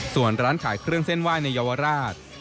ส่วนร้านขายเครื่องเส้นไหว้ในเยาวราช